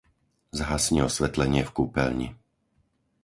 Zhasni osvetlenie v kúpeľni.